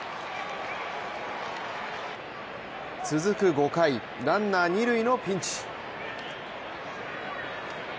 続く５回ランナー、二塁のピンチ。